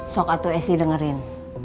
sokatu isi dengerin